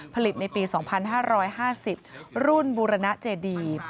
ผลิตในปี๒๕๕๐รุ่นบูรณเจดี